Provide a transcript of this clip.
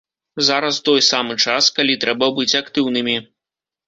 Зараз той самы час, калі трэба быць актыўнымі.